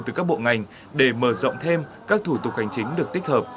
từ các bộ ngành để mở rộng thêm các thủ tục hành chính được tích hợp